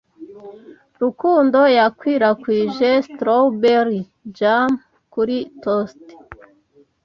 Rukundo yakwirakwije strawberry jam kuri toast.